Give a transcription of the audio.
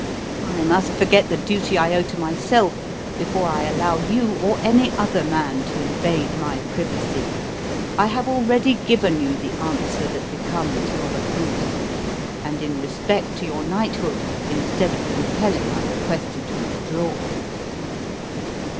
"I must forget the duty I owe to myself, before I allow you, or any other man, to invade my privacy. I have already given you the answer that becomes Robert Bruce; and in respect to your knighthood, instead of compelling I request you to withdraw."